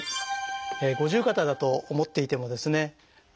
五十肩だと思っていてもですね